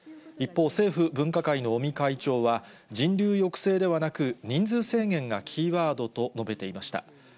一方、政府分科会の尾身会長は、人流抑制ではなく、人数制限がキーワードと述べていました。